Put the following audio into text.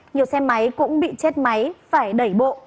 nhiều xe máy cũng bị chết máy phải đẩy bộ